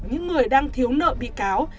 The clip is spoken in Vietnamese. những người đang thiếu nợ bị cáo